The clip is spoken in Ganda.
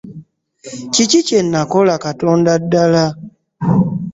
Kiki kye nakola Katonda ddala?